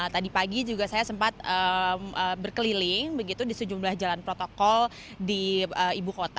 tadi pagi juga saya sempat berkeliling begitu di sejumlah jalan protokol di ibu kota